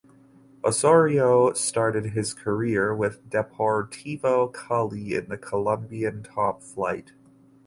Osorio started his career with Deportivo Cali in the Colombian top flight.